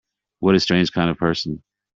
What a strange kind of person!